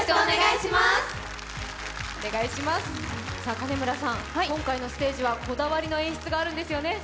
金村さん、今回のステージはこだわりの演出があるんですよね？